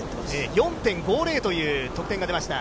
４．５０という得点が出ました。